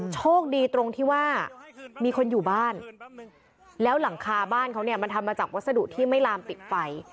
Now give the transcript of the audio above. โชคดีตรงที่ว่ามีคนอยู่บ้านแล้วหลังคาบ้านเขาเนี่ยมันทำมาจากวัสดุที่ไม่ลามติดไฟ